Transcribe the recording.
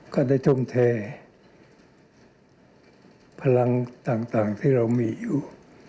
ก็ได้ทุ่มเทพลังต่างที่เรามีอยู่